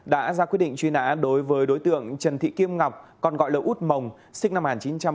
đã ra quyết định truy nã đối với đối tượng trần thị kim ngọc còn gọi là út mồng sinh năm một nghìn chín trăm tám mươi